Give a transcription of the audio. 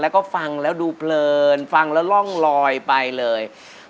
แล้วก็ฟังแล้วดูเพลินฟังแล้วร่องลอยไปเลย